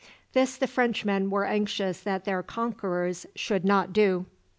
This the Frenchmen were anxious that their conquerors should not do.